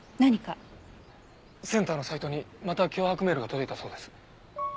センターのサイトにまた脅迫メールが届いたそうです。